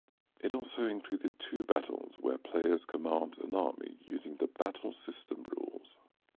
It also includes two battles where players command an army using the Battlesystem rules.